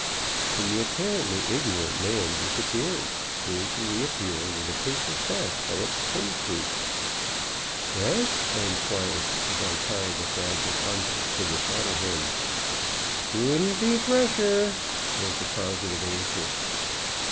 And the apparently ignorant man disappeared, soon to re appear with a paper sack full of hen fruit. "Fresh?" I inquired, as I tied the fragile bundle to the saddle horn. "Couldn't be fresher," was the positive answer.